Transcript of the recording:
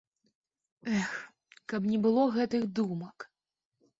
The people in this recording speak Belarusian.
Эх, каб не было гэтых думак!